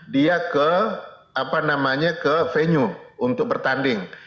dia ke apa namanya ke venue untuk bertanding